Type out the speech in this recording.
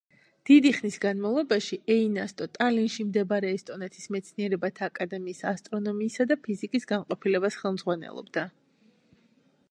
დიდი ხნის განმავლობაში, ეინასტო, ტალინში მდებარე ესტონეთის მეცნიერებათა აკადემიის ასტრონომიისა და ფიზიკის განყოფილებას ხელმძღვანელობდა.